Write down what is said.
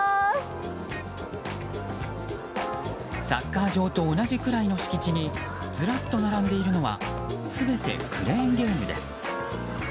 サッカー場と同じくらいの敷地にずらっと並んでいるのは全てクレーンゲームです。